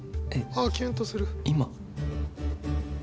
ああキュンとする！